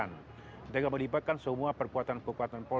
serusnya dapat dihubungi dengan persiapan sebersiteria